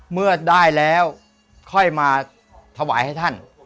เมื่อได้แล้วค่อยมาถวายให้ท่าน